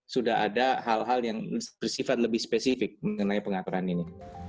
sudah ada hal hal yang bersifat lebih spesifik mengenai pengaturan ini